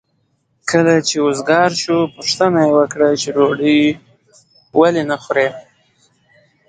کله چې وزګار شو پوښتنه مې وکړه چې ډوډۍ ولې نه خورې؟